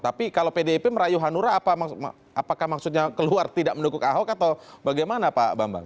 tapi kalau pdip merayu hanura apakah maksudnya keluar tidak mendukung ahok atau bagaimana pak bambang